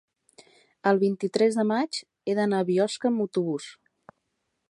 el vint-i-tres de maig he d'anar a Biosca amb autobús.